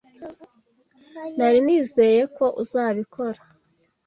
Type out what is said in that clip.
Nari nizeye ko uzabikora